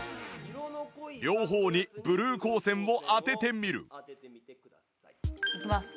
両方にブルー光線を当ててみるいきます。